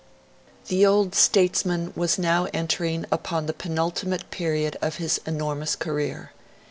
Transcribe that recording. The old statesman was now entering upon the penultimate period of his enormous career.